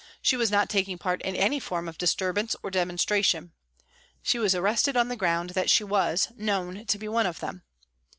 She was not taking part in any form of disturbance or demonstration. She was arrested on the ground that she was " known to be one of them."